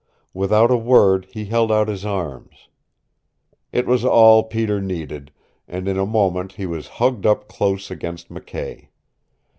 Without a word he held out his arms. It was all Peter needed, and in a moment he was hugged up close against McKay.